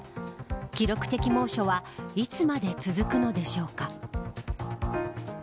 記録的猛暑はいつまで続くのでしょうか。